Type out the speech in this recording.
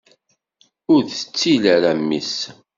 Ur tettil ara mmi-s.